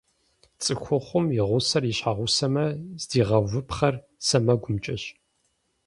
Цӏыхухъум и гъусэр и щхьэгъусэмэ, здигъэувыпхъэр сэмэгумкӀэщ.